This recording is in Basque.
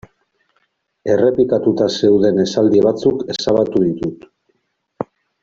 Errepikatuta zeuden esaldi batzuk ezabatu ditut.